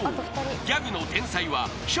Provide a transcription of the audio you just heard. ［ギャグの天才は笑